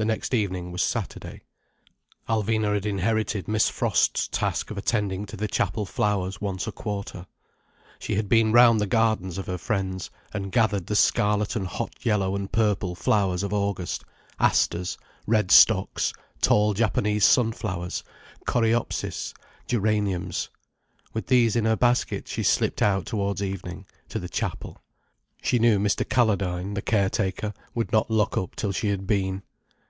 The next evening was Saturday. Alvina had inherited Miss Frost's task of attending to the Chapel flowers once a quarter. She had been round the gardens of her friends, and gathered the scarlet and hot yellow and purple flowers of August, asters, red stocks, tall Japanese sunflowers, coreopsis, geraniums. With these in her basket she slipped out towards evening, to the Chapel. She knew Mr. Calladine, the caretaker would not lock up till she had been.